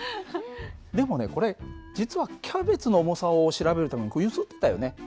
でもねこれ実はキャベツの重さを調べるためにこう揺すってたよね